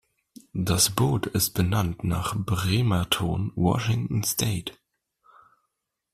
Das Boot ist benannt nach Bremerton, Washington State.